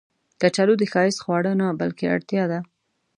کچالو د ښایست خواړه نه، بلکې اړتیا ده